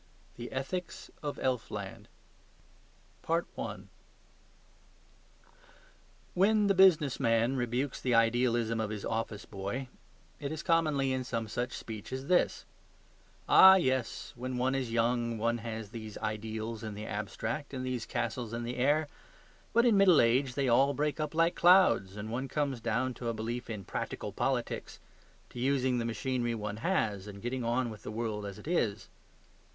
IV THE ETHICS OF ELFLAND When the business man rebukes the idealism of his office boy, it is commonly in some such speech as this: "Ah, yes, when one is young, one has these ideals in the abstract and these castles in the air; but in middle age they all break up like clouds, and one comes down to a belief in practical politics, to using the machinery one has and getting on with the world as it is."